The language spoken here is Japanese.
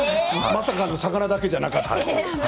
まさかの魚だけじゃなかった。